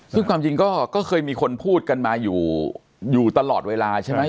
ซึ่งความจริงก็เคยมีคนพูดกันมาอยู่ตลอดเวลาใช่ไหม